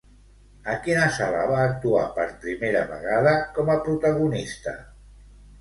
A quina sala va actuar per primera vegada com a protagonista?